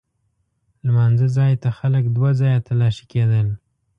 لمانځه ځای ته خلک دوه ځایه تلاښي کېدل.